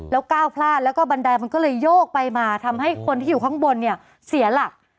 แล้วก้าวพลาดแล้วก็บันไดมันก็เลยโยกไปมาทำให้คนที่อยู่ข้างบนเนี่ยเสียหลัก